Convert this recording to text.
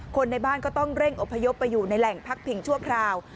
คนในบ้านก็ต้องเร่งอพยพไปอยู่ในแหล่งพักผิงชั่วคราว